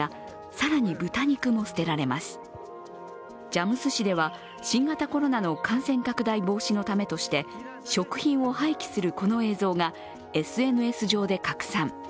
ジャムス市では新型コロナの感染拡大防止のためとして食品を廃棄するこの映像がＳＮＳ上で拡散。